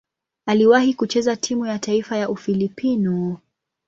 Aliwahi kucheza timu ya taifa ya Ufilipino.